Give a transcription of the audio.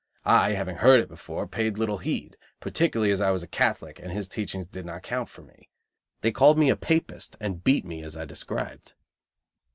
I, having heard it before, paid little heed; particularly as I was a Catholic, and his teachings did not count for me. They called me a "Papist," and beat me, as I described.